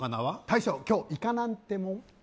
「大将今日イカなんてもん」